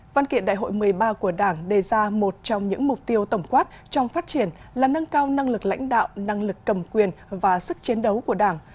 văn kiện đại hội một mươi ba của đảng đề ra một trong những mục tiêu tổng quát trong phát triển là nâng cao năng lực lãnh đạo năng lực cầm quyền và sức chiến đấu của đảng